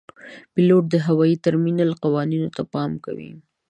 پیلوټ د هوايي ترمینل قوانینو ته پام کوي.